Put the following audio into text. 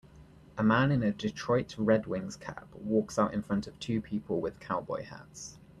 A man in a Detroit Red Wings cap walks in front of two people with cowboy hats.